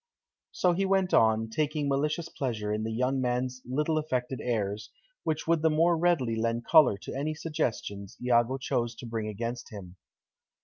So he went on, taking malicious pleasure in the young man's little affected airs, which would the more readily lend colour to any suggestions Iago chose to bring against him.